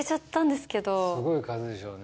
すごい数でしょうね。